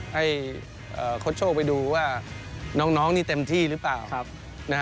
ให้โค้ชโชคไปดูว่าน้องนี่เต็มที่หรือเปล่า